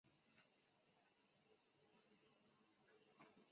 意大利古城赫库兰尼姆遗址中有一幅壁画中画了松乳菇。